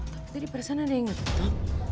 tapi tadi pada saatnya ada yang ngetok